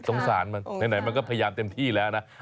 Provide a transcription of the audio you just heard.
สงสารมันไหนมันก็พยายามเต็มที่แล้วนะ